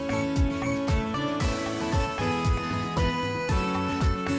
โปรดติดตามตอนต่อไป